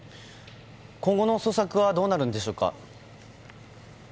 今後の捜索はどうなるんでしょうか？